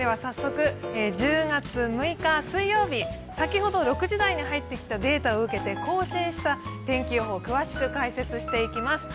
先ほど６時台に入ってきたデータを受けて更新した天気予報を詳しく解説していきます。